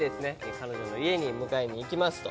彼女の家に迎えに行きますと。